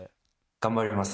頑張ります。